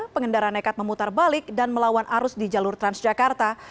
pengendara nekat memutar balik dan melawan arus di jalur transjakarta